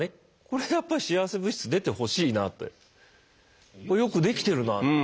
これやっぱ幸せ物質出てほしいなってこれよく出来てるなって。